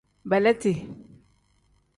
Beleeti.